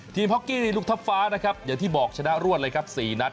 ฮอกกี้ลูกทัพฟ้านะครับอย่างที่บอกชนะรวดเลยครับ๔นัด